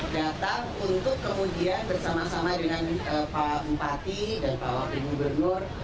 datang untuk kemudian bersama sama dengan pak bupati dan pak wakil gubernur